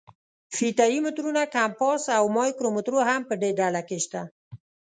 فیته یي مترونه، کمپاس او مایکرومتر هم په دې ډله کې شته.